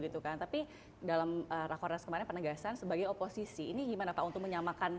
tapi dalam rakonan kemarin penegasan sebagai oposisi ini gimana pak untuk menyamakan